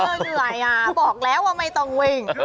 เผลอไหวอ่ะบอกแล้วว่าไม่ต้องวิ่ง